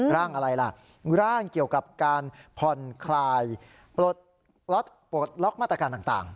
ร่างอะไรล่ะร่างเกี่ยวกับการผ่อนคลายปลดล็อกมาตรการต่าง